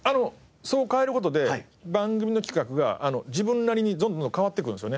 そこを変える事で番組の企画が自分なりにどんどんどんどん変わってくるんですよね。